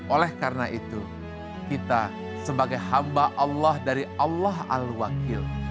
oleh karena itu kita sebagai hamba allah dari allah al wakil